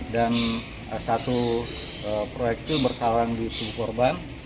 dan satu proyek itu bersarang di tubuh korban